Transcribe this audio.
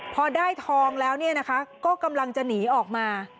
พอได้ทองแล้วก็กำลังจะหนีออกมา